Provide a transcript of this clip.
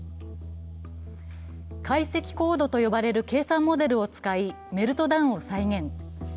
解析コードと呼ばれる計算モデルを使い、メルトダウンを再現。